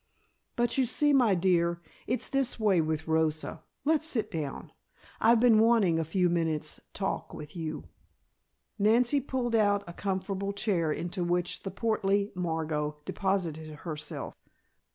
"But you see, my dear, it's this way with Rosa. Let's sit down. I've been wanting a few minutes' talk with you." Nancy pulled out a comfortable chair into which the portly Margot deposited herself.